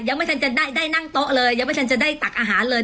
ยังไม่ทันจะได้นั่งโต๊ะเลยยังไม่ทันจะได้ตักอาหารเลย